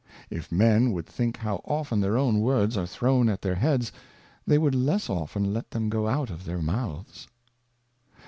If Men would think how often their own Words are thrown at their Heads^ they would less often let them go out of their Mouths.